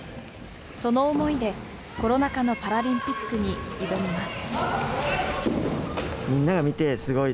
その思いでコロナ禍のパラリンピックに挑みます。